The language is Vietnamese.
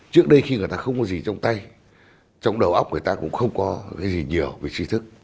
trước đây khi người ta không có gì trong tay trong đầu óc người ta cũng không có cái gì nhiều về suy thức